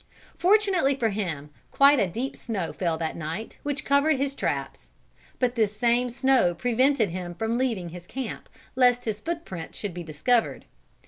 Fortunately for him, quite a deep snow fell that night, which covered his traps. But this same snow prevented him from leaving his camp, lest his footprints should be discovered.